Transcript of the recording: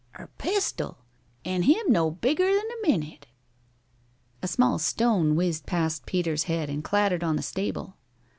"Er pistol! An' him no bigger than er minute!" A small stone whizzed past Peter's head and clattered on the stable.